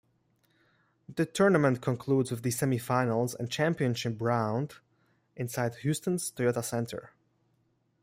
The tournament concludes with the semi-finals and championship round inside Houston's Toyota Center.